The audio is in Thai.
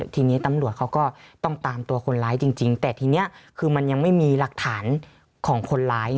ทีนี้ตำรวจเขาก็ต้องตามตัวคนร้ายจริงแต่ทีนี้คือมันยังไม่มีหลักฐานของคนร้าย